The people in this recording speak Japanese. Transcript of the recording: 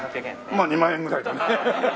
まあ２万円ぐらいだね。